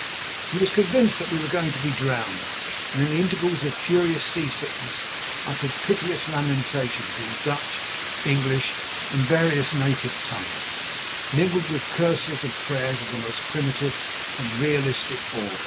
He was convinced that we were going to be drowned, and in the intervals of furious sea sickness uttered piteous lamentations in Dutch, English, and various native tongues, mingled with curses and prayers of the most primitive and realistic order.